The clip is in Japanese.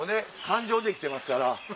感情で生きてますから。